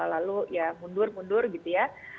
lalu ya mundur mundur gitu ya